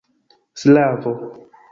slavo